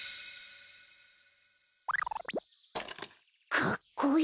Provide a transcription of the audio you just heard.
かっこいい！